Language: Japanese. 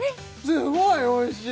すごいおいしい！